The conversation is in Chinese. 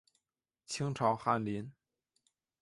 清朝翰林。